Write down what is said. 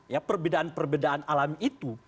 ya perbedaan perbedaan alami itu